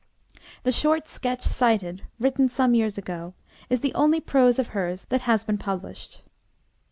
The short sketch cited, written some years ago, is the only prose of hers that has been published.